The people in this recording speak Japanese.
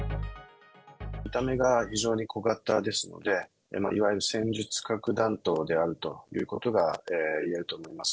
見た目が非常に小型ですので、いわゆる戦術核弾頭であるということがいえると思います。